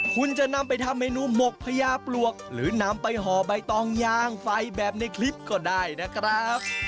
คุณจะนำไปทำเมนูหมกพญาปลวกหรือนำไปห่อใบตองยางไฟแบบในคลิปก็ได้นะครับ